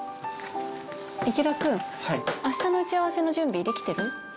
池田君、あしたの打ち合わせの準備、できてる？